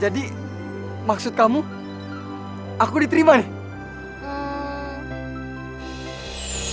jangan membatalkan diri thes